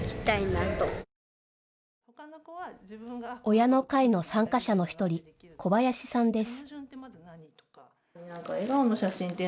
親の会の参加者の１人、小林さんです。